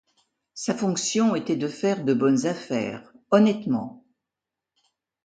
Sa fonction était de faire de bonnes affaires, honnêtement.